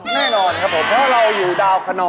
แน่นอนครับผมเพราะเราอยู่ดาวคนอ